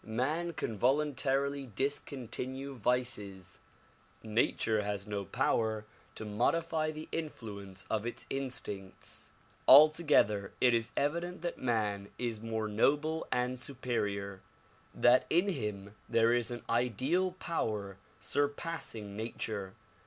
Man can voluntarily discontinue vices, nature has no power to modify the influence of its instincts. Alto gether it is evident that man is more noble and superior; that in him there is an ideal power surpassing nature.